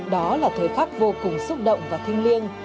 đó là thời khắc vô cùng xúc động và thiêng liêng